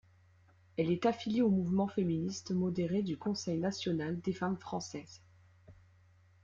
Elle est affiliée au mouvement féministe modéré du Conseil national des femmes françaises.